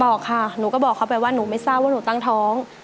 บอกค่ะหนูก็บอกเขาไปว่าหนูไม่ทราบว่าหนูตั้งท้อง